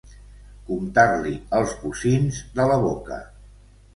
Comptar-li els bocins de la boca.